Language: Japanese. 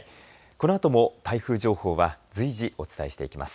このあとも台風情報は随時、お伝えしていきます。